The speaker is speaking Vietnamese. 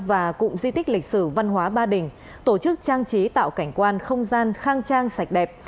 và cụm di tích lịch sử văn hóa ba đình tổ chức trang trí tạo cảnh quan không gian khang trang sạch đẹp